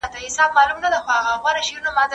که اسونه وساتو نو سواري نه ختمیږي.